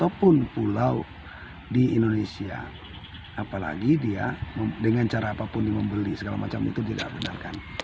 apalagi dia dengan cara apapun membeli segala macam itu tidak benar kan